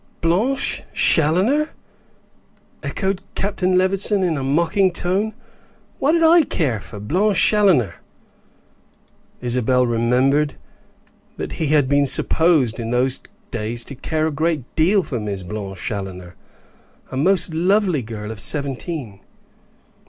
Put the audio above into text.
"Blanche Challoner!" echoed Captain Levison, in a mocking tone; "what did I care for Blanche Challoner?" Isabel remembered that he had been supposed in those days to care a great deal for Miss Blanche Challoner a most lovely girl of seventeen.